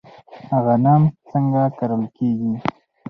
غنم څنګه کرل کیږي؟